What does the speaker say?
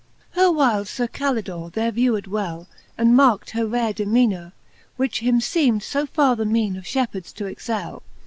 XI. Her whyles Sir Calidore there vewed well. And markt her rare demeanure, which him feemed So farre the meane of fhepheards to excell.